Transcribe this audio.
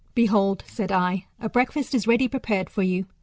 Behold, said I, a breakfast is ready prepared for you.